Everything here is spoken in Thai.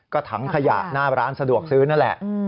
ก็ถังขยะหน้าร้านสะดวกซื้อนั่นแหละ